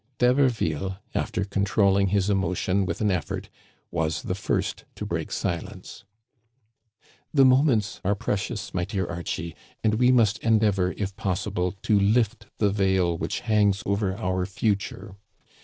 D'Haberville, after controlling his emotion with an effort, was the first to break silence :" The moments are precious, my dear Archie, and we must endeavor, if possible, to lift the veil which hangs over our future.